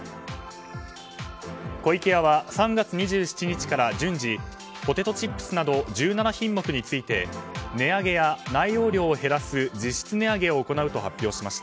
湖池屋は３月２７日から順次ポテトチップスなど１７品目について値上げや内容量を減らす実質値上げを行うと発表しました。